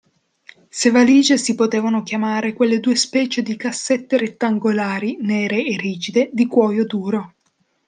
Se valige si potevano chiamare quelle due specie di cassette rettangolari, nere e rigide, di cuoio duro.